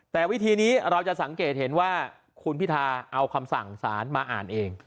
แต่วิธีนี้เราจะสังเกตเห็นว่าคุณพิทาเอาคำสั่งสารมาอ่านเอง